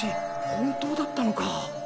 本当だったのか。